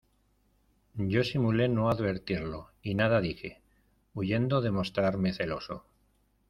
yo simulé no advertirlo, y nada dije , huyendo de mostrarme celoso.